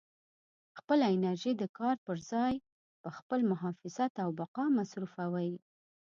خپله انرژي د کار په ځای پر خپل محافظت او بقا مصروفوئ.